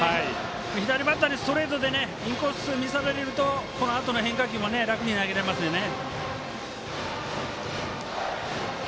左バッターにストレートでインコース見せられるとこのあとの変化球も楽に投げられますね。